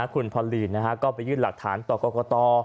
คุณพอลีนก็ไปยื่นหลักฐานต่อกรกต